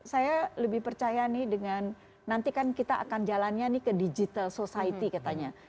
saya lebih percaya nih dengan nanti kan kita akan jalannya nih ke digital society katanya